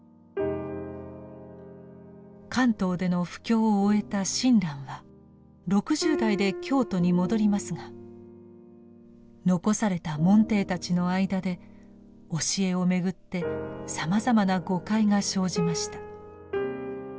関東での布教を終えた親鸞は６０代で京都に戻りますが残された門弟たちの間で教えを巡ってさまざまな誤解が生じました。